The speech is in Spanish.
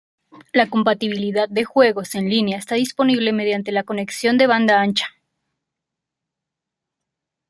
La compatibilidad de juegos en línea está disponible mediante la conexión de banda ancha.